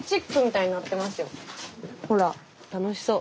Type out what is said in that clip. ほら楽しそう。